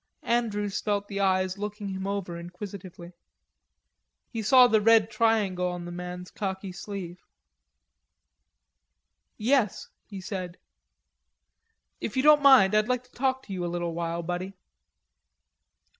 Andrews felt the eyes looking him over inquisitively. He saw the red triangle on the man's khaki sleeve. "Yes," he said. "If you don't mind, I'd like to talk to you a little while, buddy."